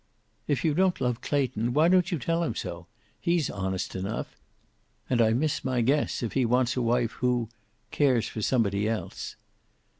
"If you don't love Clayton, why don't you tell him so? He's honest enough. And I miss my guess if he wants a wife who cares for somebody else."